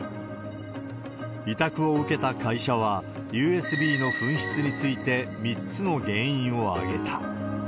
委託を受けた会社は、ＵＳＢの紛失について３つの原因を挙げた。